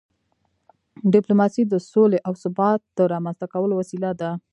ډیپلوماسي د سولې او ثبات د رامنځته کولو وسیله ده.